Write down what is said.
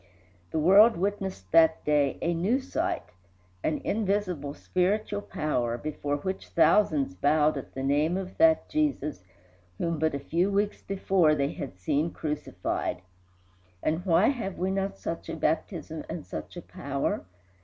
The world witnessed that day a new sight an invisible spiritual power, before which thousands bowed at the name of that Jesus whom but a few weeks before they had seen crucified. And why have we not such a baptism and such a power?